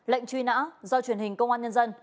lệnh truy nã do truyền hình công an nhân dân